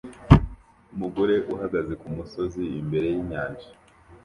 Umugore uhagaze kumusozi imbere yinyanja